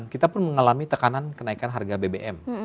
dua ribu lima dua ribu delapan kita pun mengalami tekanan kenaikan harga bbm